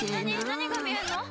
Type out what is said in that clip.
何が見えるの？